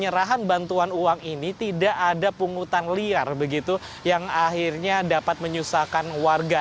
penyerahan bantuan uang ini tidak ada pungutan liar begitu yang akhirnya dapat menyusahkan warga